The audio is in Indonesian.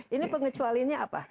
ini pengecualiannya apa